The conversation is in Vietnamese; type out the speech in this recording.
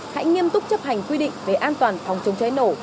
hãy nghiêm túc chấp hành quy định về an toàn phòng chống cháy nổ